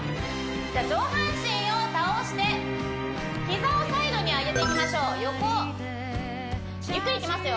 上半身を倒して膝をサイドに上げていきましょう横ゆっくりいきますよ